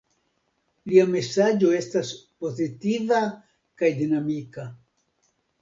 Lia mesaĝo estas pozitiva kaj dinamika.